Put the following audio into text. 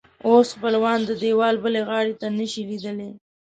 اوس خپلوان د دیوال بلې غاړې ته نه شي لیدلی.